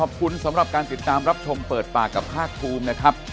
ขอบคุณสำหรับการติดตามรับชมเปิดปากกับภาคภูมินะครับ